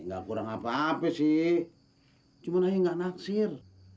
nggak kurang apa apa sih cuma yang nggak naksir